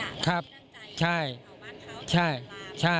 เราต้องตั้งใจเผาบ้านเขา